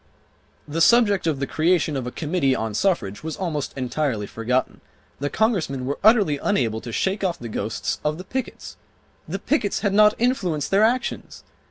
The subject of the creation of a committee on suffrage was almost entirely forgotten. The Congressmen were utterly unable to shake off the ghosts of the pickets. The pickets had not influenced their actions!